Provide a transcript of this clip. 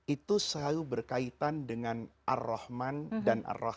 itu selalu berkaitan dengan ar rahman dan ar rahman